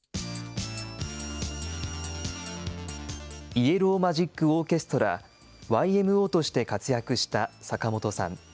イエロー・マジック・オーケストラ・ＹＭＯとして活躍した坂本さん。